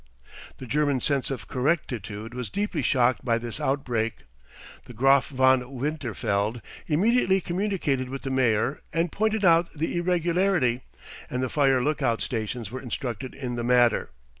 The German sense of correctitude was deeply shocked by this outbreak. The Graf von Winterfeld immediately communicated with the mayor, and pointed out the irregularity, and the fire look out stations were instructed in the matter.